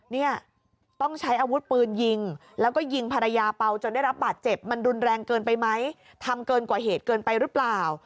เนี่ยต้องใช้อาวุธปืนยิงแล้วก็ยิงภรรยาเปล่าจนได้รับบาดเจ็บมันรุนแรงเกินไปไหมทำเกินกว่าเหตุเกินไปหรือเปล่า